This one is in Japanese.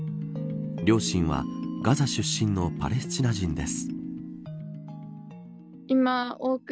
両親はガザ出身のパレスチナ人です。